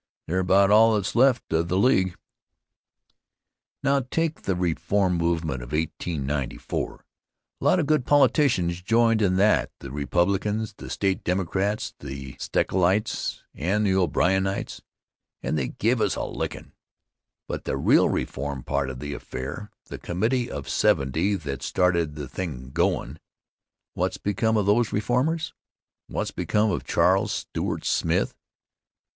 They're about all that's left of the League. Now take the reform movement of 1894. A lot of good politicians joined in that the Republicans, the State Democrats, the Stecklerites and the O'Brienites, and they gave us a lickin', but the real reform part of the affair, the Committee of Seventy that started the thing goin', what's become of those reformers? What's become of Charles Stewart Smith?